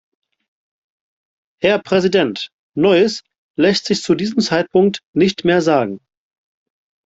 Herr Präsident, Neues lässt sich zu diesem Zeitpunkt nicht mehr sagen.